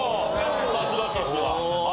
さすがさすが。